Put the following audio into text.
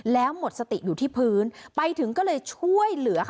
แล้วหมดสติอยู่ที่พื้นไปถึงก็เลยช่วยเหลือค่ะ